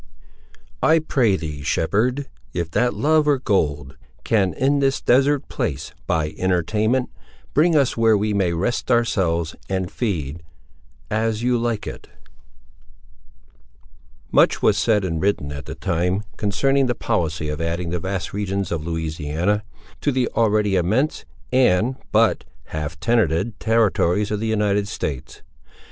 J. F. Cooper Paris, June 1832 THE PRAIRIE CHAPTER I I pray thee, shepherd, if that love or gold, Can in this desert place buy entertainment, Bring us where we may rest ourselves and feed. —As you like it. Much was said and written, at the time, concerning the policy of adding the vast regions of Louisiana, to the already immense and but half tenanted territories of the United States.